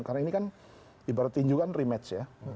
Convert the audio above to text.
karena ini kan ibarat tinjukan rematch ya